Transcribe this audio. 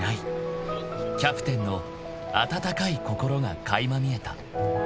［キャプテンの温かい心が垣間見えた］